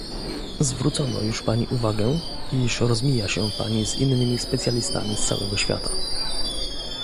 Zwrócono już pani uwagę, iż rozmija się pani z innymi specjalistami z całego świata